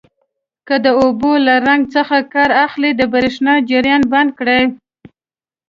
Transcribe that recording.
که د اوبو له رنګ څخه کار اخلئ د بریښنا جریان بند کړئ.